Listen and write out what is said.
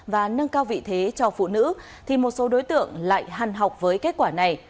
và nâng cao vị thế cho phụ nữ thì một số đối tượng lại hằn học với kết quả này